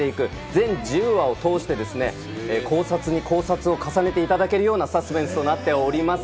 全１０話を通して考察に考察を重ねていただけるようなサスペンスになっております。